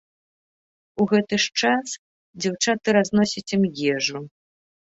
У гэты ж час дзяўчаты разносяць ім ежу.